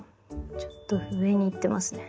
ちょっと上にいってますね。